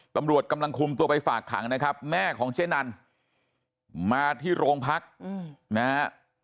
ตำรวจกำลังคุมตัวไปฝากขังนะครับแม่ของเจ๊นันมาที่โรงพักนะฮะ